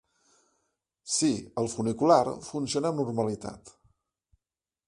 Sí, el funicular funciona amb normalitat.